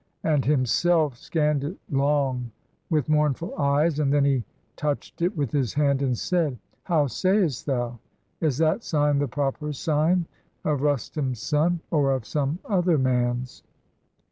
And himself scann'd it long with mournful eyes, And then he touch'd it with his hand, and said: — "How say'st thou? Is that sign the proper sign Of Rustum's son, or of some other man's?"